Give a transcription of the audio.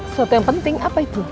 sesuatu yang penting apa itu